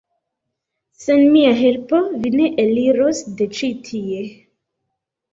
sen mia helpo vi ne eliros de ĉi tie!